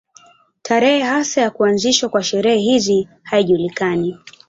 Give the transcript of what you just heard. Tarehe hasa ya kuanzishwa kwa sherehe hizi haijulikani.